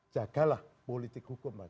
jagalah politik hukum